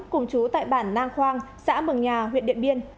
cùng chú tại bản nang khoang xã mường nhà huyện điện biên